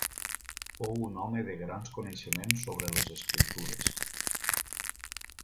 Fou un home de grans coneixements sobre les Escriptures.